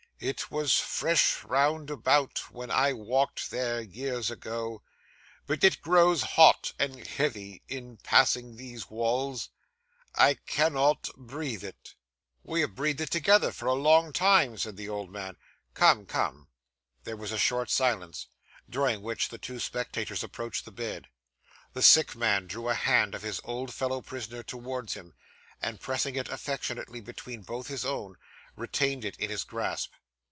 It was fresh round about, when I walked there, years ago; but it grows hot and heavy in passing these walls. I cannot breathe it.' 'We have breathed it together, for a long time,' said the old man. 'Come, come.' There was a short silence, during which the two spectators approached the bed. The sick man drew a hand of his old fellow prisoner towards him, and pressing it affectionately between both his own, retained it in his grasp.